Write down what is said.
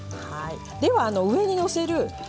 では上にのせる